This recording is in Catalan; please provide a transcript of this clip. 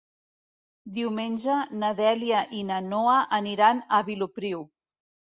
Diumenge na Dèlia i na Noa aniran a Vilopriu.